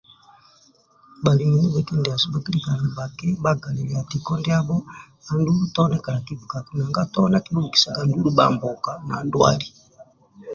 Bhalimi ndibha kindiasu bhakilikaga nibha kibhagalilia tiko ndiabho andulu tone kala kibikaku nanga tone akibhubikisaga ndulu bhambuka na ndwali.